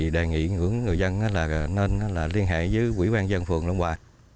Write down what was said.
đề nghị người dân nên liên hệ với ủy ban nhân dân phường long hòa